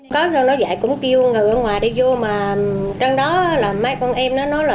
có trong đó dạy cũng kêu người ở ngoài đi vô mà trong đó là mấy con em nó nói là